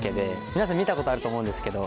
皆さん見たことあると思うんですけど。